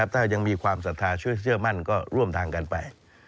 ถ้ายังมีความศรัทธาช่วยเชื่อมั่นก็ร่วมทางกันไป